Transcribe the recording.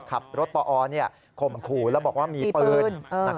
ขับรถปอข่มขู่แล้วบอกว่ามีปืน